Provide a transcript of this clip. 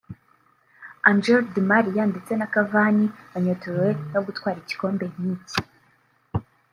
Angel di Maria ndetse na Cavani banyotewe no gutwara igikombe nk’iki